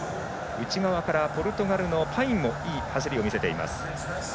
内側からポルトガルのパインもいい走りを見せています。